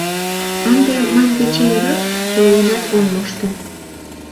Ынде мынь дечем йод, ойленат ом мошто...